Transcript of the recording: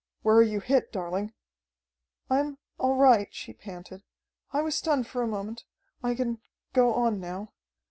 "Where are you hit, darling?" "I'm all right," she panted. "I was stunned for a moment. I can go on now."